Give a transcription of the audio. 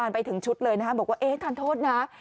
ไปถึงชุดเลยนะครับบอกว่าเอ๊ะทานโทษนะ